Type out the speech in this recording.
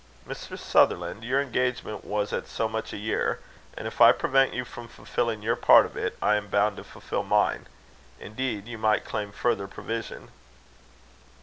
"Mr. Sutherland, your engagement was at so much a year; and if I prevent you from fulfilling your part of it, I am bound to fulfil mine. Indeed, you might claim further provision."